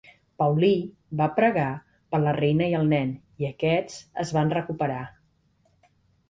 Paulí va pregar per la reina i el nen, i aquests es van recuperar.